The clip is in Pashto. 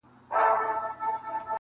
سپی مي دغه هدیره کي ښخومه,